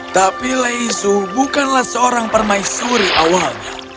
tapi leisu bukanlah seorang permaisuri awalnya